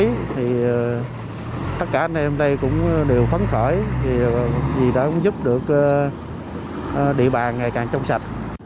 thì tất cả anh em đây cũng đều phấn khởi vì đã giúp được địa bàn ngày càng trong sạch